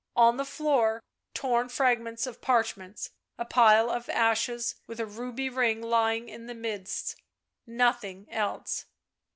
On the floor torn frag ments of parchments, a pile of ashes with a ruby ring lying in the midst. ... Nothing else.